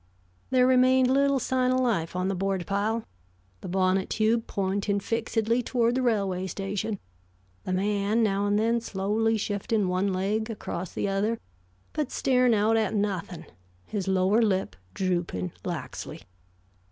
There remained little sign of life on the board pile, the bonnet tube pointing fixedly toward the railway station, the man now and then slowly shifting one leg across the other, but staring out at nothing, his lower lip drooping laxly.